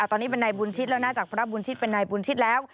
ตอนนี้เป็นนายบุญชิตแล้วนะจากพระบุญชิตเป็นนายบุญชิตแล้ว